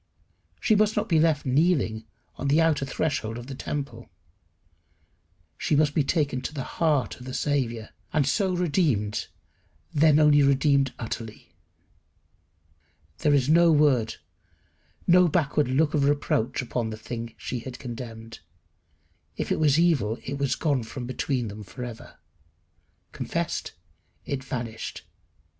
She must not be left kneeling on the outer threshold of the temple. She must be taken to the heart of the Saviour, and so redeemed, then only redeemed utterly. There is no word, no backward look of reproach upon the thing she had condemned. If it was evil it was gone from between them for ever. Confessed, it vanished.